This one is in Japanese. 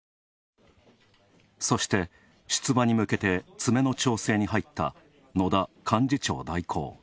そして出馬に向けてつめの調整に入った野田幹事長代行。